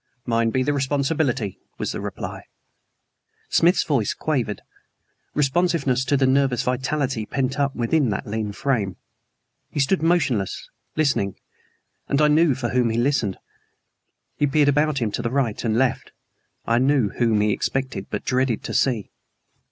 "Mine be the responsibility," was the reply. Smith's voice quivered, responsive to the nervous vitality pent up within that lean frame. He stood motionless, listening and I knew for whom he listened. He peered about him to right and left and I knew whom he expected but dreaded to see.